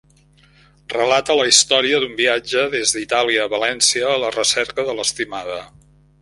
Relata la història d'un viatge des d'Itàlia a València a la recerca de l'estimada.